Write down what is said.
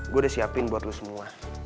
gue udah siapin buat lo semua